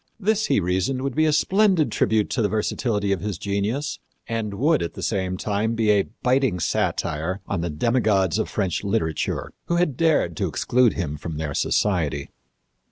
This, he reasoned, would be a splendid tribute to the versatility of his genius and would, at the same time, be a biting satire on the demigods of French literature who had dared to exclude him from their society.